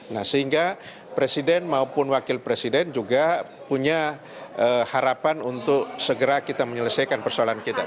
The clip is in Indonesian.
nah sehingga presiden maupun wakil presiden juga punya harapan untuk segera kita menyelesaikan persoalan kita